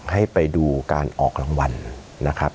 ให้ไปดูการออกรางวัลนะครับ